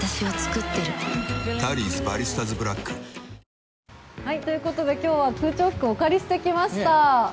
わぁということで今日は空調服お借りしてきました。